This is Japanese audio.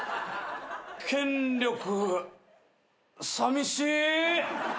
権力さみしい！